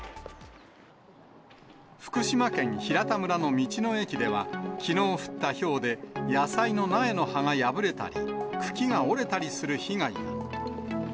福島県平田村の道の駅では、きのう降ったひょうで、野菜の苗の葉が破れたり、茎が折れたりする被害が。